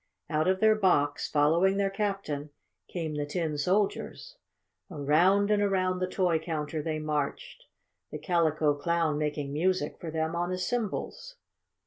Out of their box, following their Captain, came the tin soldiers. Around and around the toy counter they marched, the Calico Clown making music for them on his cymbals.